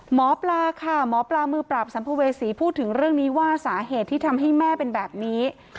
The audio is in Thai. หมอปลาค่ะหมอปลามือปราบสัมภเวษีพูดถึงเรื่องนี้ว่าสาเหตุที่ทำให้แม่เป็นแบบนี้